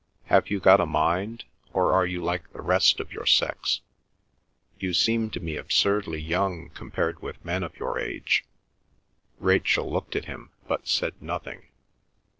Have you got a mind, or are you like the rest of your sex? You seem to me absurdly young compared with men of your age." Rachel looked at him but said nothing.